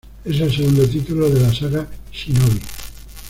Es el segundo título de la saga Shinobi.